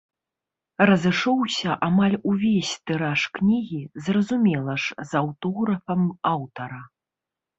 Разышоўся амаль увесь тыраж кнігі, зразумела ж, з аўтографам аўтара.